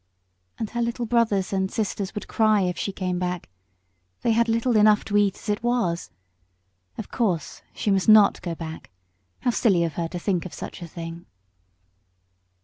And her little brothers and sisters would cry if she came back. They had little enough to eat as it was. Of course she must not go back. How silly of her to think of such a thing!